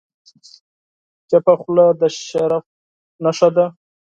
چپه خوله، د شرف نښه ده.